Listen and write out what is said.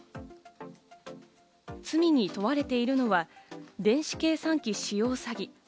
罪に問われているのは電子計算機使用詐欺。